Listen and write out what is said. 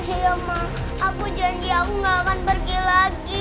iya mah aku janji aku gak akan pergi lagi